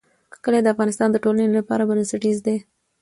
کلي د افغانستان د ټولنې لپاره بنسټیز دي.